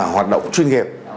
hoạt động chuyên nghiệp